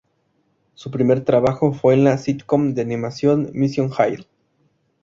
Su primer trabajo fue en la sitcom de animación "Mission Hill".